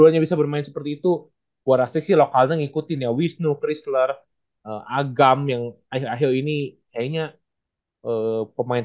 ngebantu runs juga sih